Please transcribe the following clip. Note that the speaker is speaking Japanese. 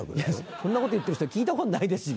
そんなこと言ってる人聞いたことないですよ。